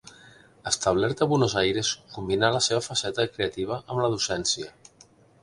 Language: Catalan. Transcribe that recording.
Establert a Buenos Aires, combinà la seva faceta creativa amb la docència.